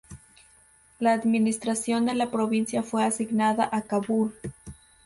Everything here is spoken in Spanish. La administración de la provincia fue asignada a Kabul.